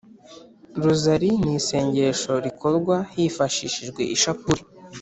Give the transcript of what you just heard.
rozari ni isengesho rikorwa hifashishijwe ishapule.